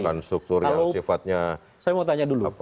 bukan struktur yang sifatnya rigid